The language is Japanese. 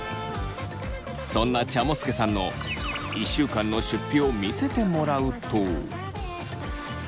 そんなちゃもすけさんの１週間の出費を見せてもらうと。